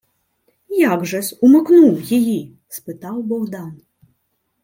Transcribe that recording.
— Як же-с умикнув її? — спитав Богдан.